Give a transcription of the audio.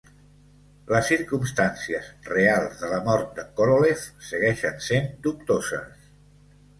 Les circumstàncies reals de la mort de Korolev segueixen sent dubtoses.